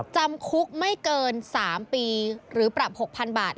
จำคุกไม่เกิน๓ปีหรือปรับ๖๐๐๐บาท